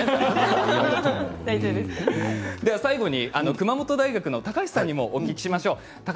最後に熊本大学の高橋さんにもお聞きしましょう。